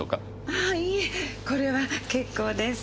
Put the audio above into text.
あぁいいえこれは結構です。